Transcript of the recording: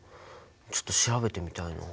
ちょっと調べてみたいな。